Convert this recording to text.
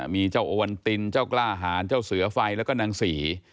มีเจ้าโอวันตินเจ้ากล้าหารเจ้าเสือไฟแล้วก็นางศรี